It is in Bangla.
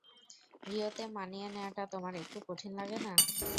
রিওতে মানিয়ে নেওয়াটা তোমার একটু কঠিন লাগে না?